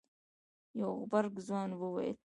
يو غبرګ ځوان وويل.